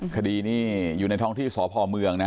คดีนี้อยู่ในท้องที่สพเมืองนะ